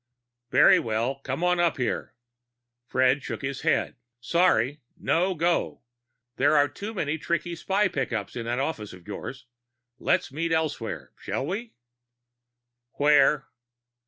"Very well. Come on up here." Fred shook his head. "Sorry, no go. There are too many tricky spy pickups in that office of yours. Let's meet elsewhere, shall we?" "Where?"